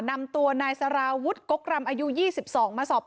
นำตัวนายสาราวุฒิกกรรมอายุยี่สิบสองมาสอบที่